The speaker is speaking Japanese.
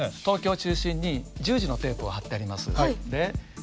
東京を中心に十字のテープを貼ってあります。